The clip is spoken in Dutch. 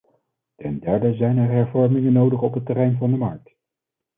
Ten derde zijn er hervormingen nodig op het terrein van de markt.